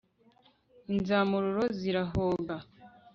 Inzamururo zirahoga